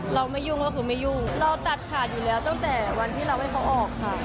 ไม่ยุ่งก็คือไม่ยุ่งเราตัดขาดอยู่แล้วตั้งแต่วันที่เราให้เขาออกค่ะ